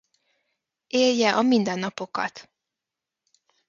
Élje a mindennapokat!